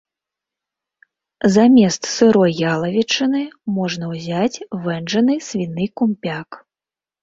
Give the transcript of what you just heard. Замест сырой ялавічыны можна ўзяць вэнджаны свіны кумпяк.